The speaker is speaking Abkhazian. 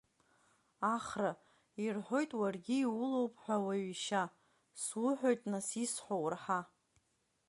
Ахра ирҳәоит, уаргьы иулоуп ҳәа ауаҩ ишьа, Суҳәоит нас, исҳәо урҳа!